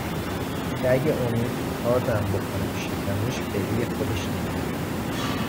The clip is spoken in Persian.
که اگه امید کاردم بکنه تو شکمش به روی خودش نمیاره